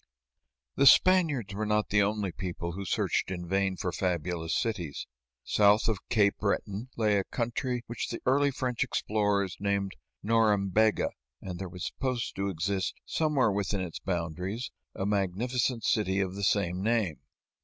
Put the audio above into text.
The Spaniards were not the only people who searched in vain for fabulous cities. South of Cape Breton lay a country which the early French explorers named Norembega, and there was supposed to exist, somewhere within its boundaries, a magnificent city of the same name.